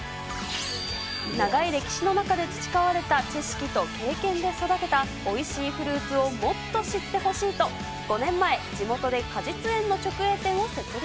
長い歴史の中で培われた知識と経験で育てたおいしいフルーツをもっと知ってほしいと、５年前、地元で果実園の直営店を設立。